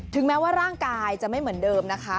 แม้ว่าร่างกายจะไม่เหมือนเดิมนะคะ